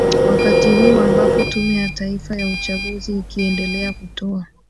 wakati huu ambapo tume ya taifa ya uchaguzi ikiendelea kutoa